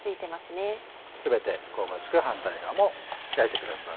全て香ばしく反対側も焼いてください。